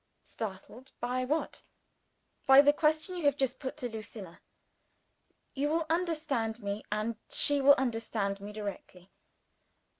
"Startled by what?" "By the question you have just put to Lucilla." "You will understand me, and she will understand me, directly."